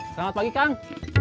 selamat pagi kang